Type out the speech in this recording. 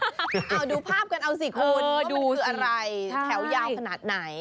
เอาดูภาพกันเอาสิคุณดูอะไรแถวยาวขนาดไหน